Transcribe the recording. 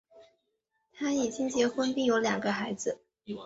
他已经结婚并有两个孩子。